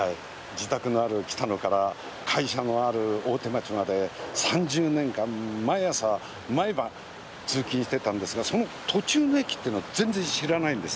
自宅のある北野から会社のある大手町まで３０年間毎朝毎晩通勤してたんですがその途中の駅っていうのは全然知らないんです。